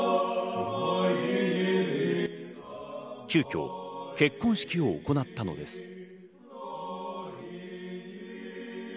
急きょ、結婚式を行ったのです。